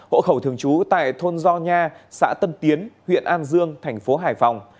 hộ khẩu thường trú tại thôn gio nha xã tân tiến huyện an dương thành phố hải phòng